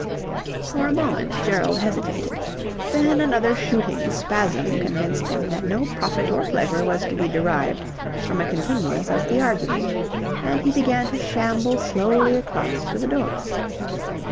For a moment Gerald hesitated. Then another sudden shooting spasm convinced him that no profit or pleasure was to be derived from a continuance of the argument, and he began to shamble slowly across to the door.